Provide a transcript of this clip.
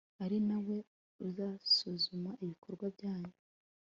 ari na we uzasuzuma ibikorwa byanyu